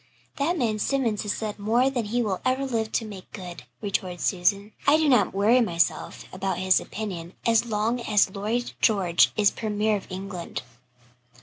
"That man Simonds has said more than he will ever live to make good," retorted Susan. "I do not worry myself about his opinion as long as Lloyd George is Premier of England.